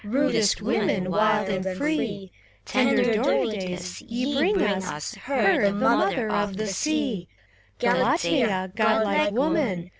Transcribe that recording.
Rudest women, wild and free; Tender Dorides, ye bring us Her, the Mother of the Sea, — Galatea, godlike woman.